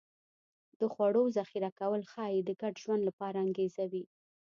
د خوړو ذخیره کول ښایي د ګډ ژوند لپاره انګېزه وي